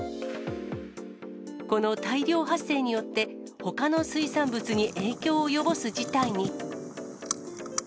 この大量発生によって、ほかの水産物に影響を及ぼす事態に。